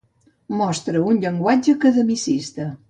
Mostra un llenguatge academicista.